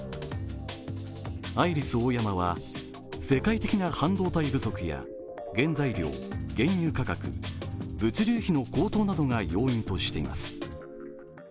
アイリスオーヤマは世界的な半導体不足や原材料・原油価格・物流費の高騰などが要因としています。